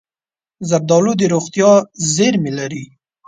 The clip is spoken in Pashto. زردالو د روغتیا زېرمې لري.